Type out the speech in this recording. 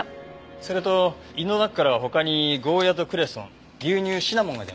それと胃の中からは他にゴーヤとクレソン牛乳シナモンが出ました。